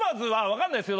分かんないです